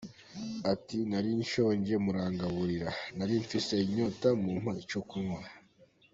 Ati ‘Nari nshonje, murangaburira, nari mfise inyota, mumpa icyo kunywa.